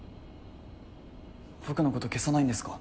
僕のこと消さないんですか？